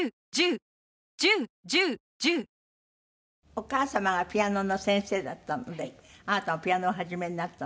お母様がピアノの先生だったのであなたもピアノお始めになった。